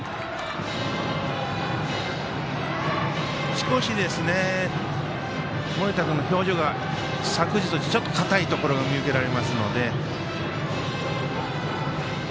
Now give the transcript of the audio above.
少し、盛田君の表情が昨日と、ちょっと硬いところが見受けられますので。